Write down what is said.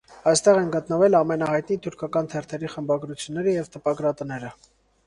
Այստեղ են գտնվել ամենահայտնի թուրքական թերթերի խմբագրությունները և տպագրատները։